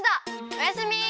おやすみ。